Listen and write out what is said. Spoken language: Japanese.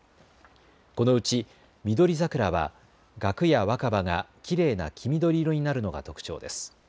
このうちミドリザクラはがくや若葉がきれいな黄緑色になるのが特徴です。